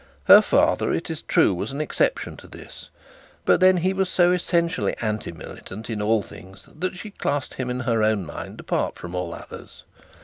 Her father, it is true, was an exception to this; but then he was so essentially non militant in all things, that she classed him in her own mind apart from all others.